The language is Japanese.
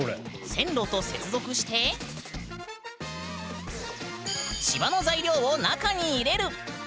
線路と接続して芝の材料を中に入れる！